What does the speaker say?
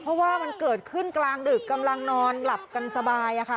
เพราะว่ามันเกิดขึ้นกลางดึกกำลังนอนหลับกันสบาย